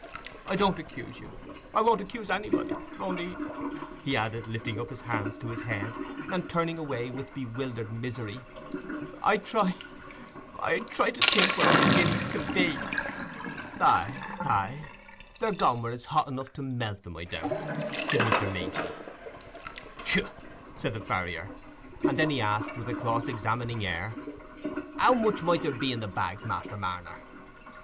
I don't accuse you—I won't accuse anybody—only," he added, lifting up his hands to his head, and turning away with bewildered misery, "I try—I try to think where my guineas can be." "Aye, aye, they're gone where it's hot enough to melt 'em, I doubt," said Mr. Macey. "Tchuh!" said the farrier. And then he asked, with a cross examining air, "How much money might there be in the bags, Master Marner?"